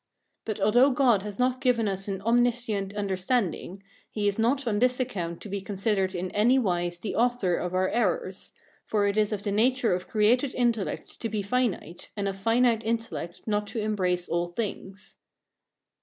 But although God has not given us an omniscient understanding, he is not on this account to be considered in any wise the author of our errors, for it is of the nature of created intellect to be finite, and of finite intellect not to embrace all things.